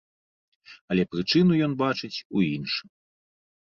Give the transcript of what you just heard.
Але прычыну ён бачыць у іншым.